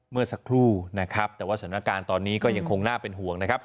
เมื่อสักครู่นะครับแต่ว่าสถานการณ์ตอนนี้ก็ยังคงน่าเป็นห่วงนะครับ